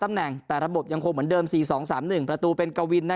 ตำแหน่งแต่ระบบยังคงเหมือนเดิม๔๒๓๑ประตูเป็นกวิน